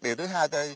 điều thứ hai